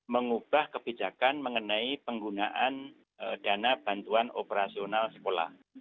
mengubah kebijakan mengenai penggunaan dana bantuan operasional sekolah